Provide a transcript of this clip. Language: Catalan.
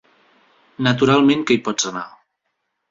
Naturalment que hi pots anar.